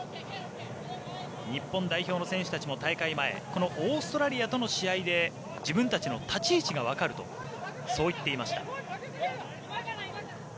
日本代表の選手たちも大会前オーストラリアとの試合で自分たちの立ち位置がわかるとそう言っていました。